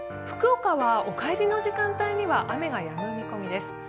福岡はお帰りの時間帯には雨がやむ見込みです。